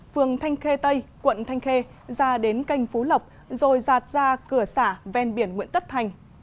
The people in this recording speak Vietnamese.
phường thanh khê tây quận thanh khê ra đến canh phú lộc rồi giạt ra cửa xả ven biển nguyễn tất thành